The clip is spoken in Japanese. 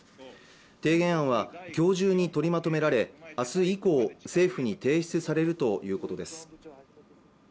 提言はきょう中に取りまとめられあす以降政府に提出されるということです